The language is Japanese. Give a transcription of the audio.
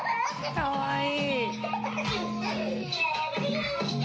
かわいい。